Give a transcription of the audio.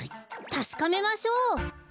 たしかめましょう！